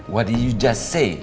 what did you just say